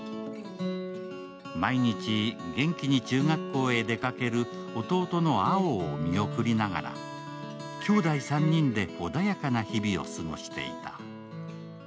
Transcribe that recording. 毎日、元気に中学校へ出かける弟の蒼を見送りながら、きょうだい３人で穏やかな日々を過ごしていた。